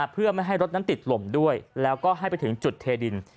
เพื่อไม่ให้รถนั้นติดลมด้วยแล้วก็ให้ไปถึงจุดเทดิน